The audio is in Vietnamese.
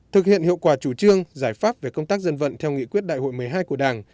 thực hiện hiệu quả chủ trương giải pháp về công tác dân vận theo nghị quyết đại hội một mươi hai của đảng